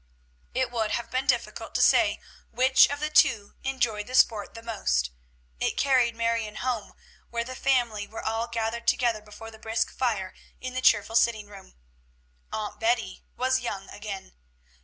It would have been difficult to say which of the two enjoyed the sport the most. It carried Marion home, where the family were all gathered together before the brisk fire in the cheerful sitting room. Aunt Betty was young again.